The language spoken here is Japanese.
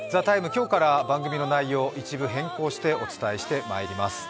今日から番組の内容一部変更してお伝えしてまいります。